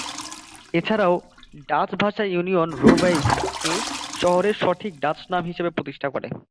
এছাড়াও, ডাচ ভাষা ইউনিয়ন "রোবাইস"কে শহরের সঠিক ডাচ নাম হিসেবে প্রতিষ্ঠা করে।